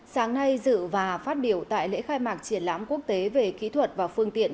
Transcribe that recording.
sáng nay dự và phát biểu tại lễ khai mạc triển lãm quốc tế về kỹ thuật và phương tiện